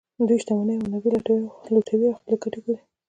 دوی شتمنۍ او منابع لوټوي او خپلې ګټې ګوري